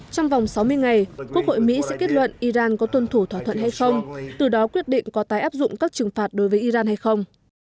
trong vòng sáu mươi ngày quốc hội mỹ sẽ kết luận iran có tuân thủ thỏa thuận hay không từ đó quyết định có tái áp dụng các trừng phạt đối với iran hay không